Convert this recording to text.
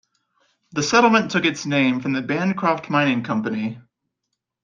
The settlement took its name from the Bancroft Mining Company.